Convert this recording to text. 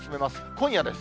今夜です。